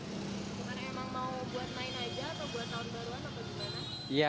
bukan emang mau buat main aja atau buat tahun baruan atau gimana